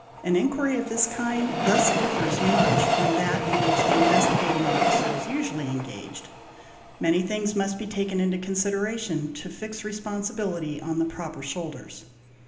An inquiry of this kind thus differs much from that in which the Investigating Officer is usually engaged; many things must be taken into consideration to fix responsibility on the proper shoulders.